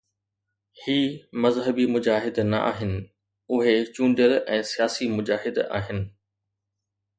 هي مذهبي مجاهد نه آهن، اهي چونڊيل ۽ سياسي مجاهد آهن.